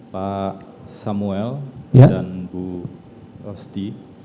pak samuel dan bu rosti